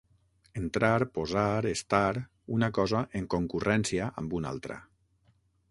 Entrar, posar, estar, una cosa en concurrència amb una altra.